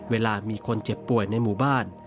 เวลามีคนเจ็บป่วยในหมู่บ้าน